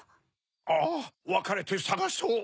ああわかれてさがそう。